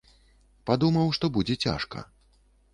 Падумаў, што будзе цяжка.